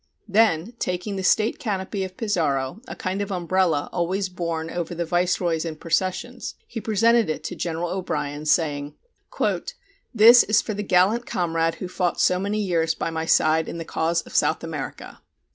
Then, taking the state canopy of Pizarro, a kind of umbrella always borne over the viceroys in processions, he presented it to General O'Brien, saying, "This is for the gallant comrade who fought so many years by my side in the cause of South America."